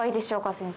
先生。